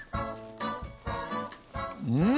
うん！